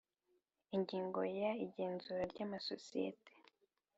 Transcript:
Ingingo ya igenzura ry amasosiyete